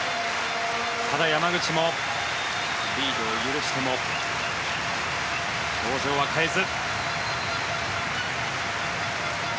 ただ、山口もリードを許しても表情は変えず。